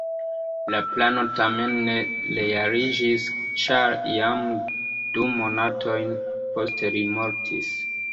La plano tamen ne realiĝis, ĉar jam du monatojn poste li mortis.